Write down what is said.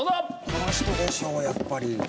この人でしょうやっぱり。